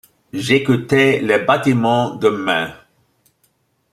J’écoutais les battements de mains!